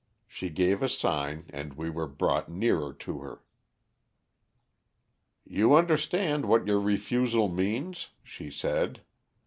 She gave a sign and we were brought nearer to her. "'You understand what your refusal means!' she said.